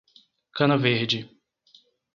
Cana Verde